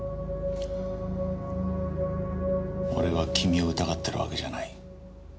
俺は君を疑ってるわけじゃない。